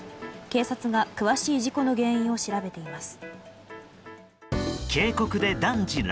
警察が詳しい事故の原因を調べています。